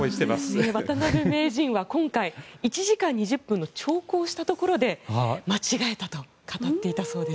渡辺名人は今回１時間２０分の長考をしたところで間違えたと語っていたそうです。